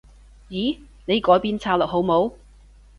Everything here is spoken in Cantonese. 咦？你改變策略好冇？